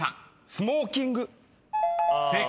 「スモーキング」［正解。